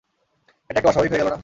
এটা একটু অস্বাভাবিক হয়ে গেল না?